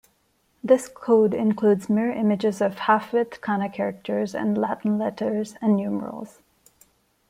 This code includes mirror images of half-width kana characters and Latin letters and numerals.